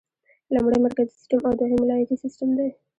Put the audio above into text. لومړی مرکزي سیسټم او دوهم ولایتي سیسټم دی.